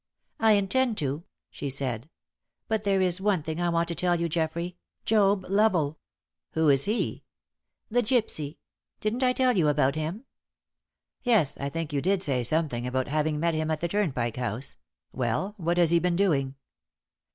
"I intend to," she said. "But there is one thing I want to tell you, Geoffrey Job Lovel." "Who is he?" "The gypsy. Didn't I tell you about him?" "Yes; I think you did say something about having met him at the Turnpike House. Well, what has he been doing?"